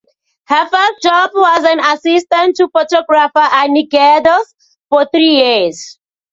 Her first job was as an assistant to photographer Anne Geddes for three years.